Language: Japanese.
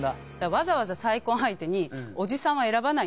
わざわざ再婚相手におじさんは選ばないです。